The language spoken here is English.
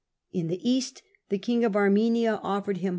In the East, the King of Armenia offered him HENRY VI.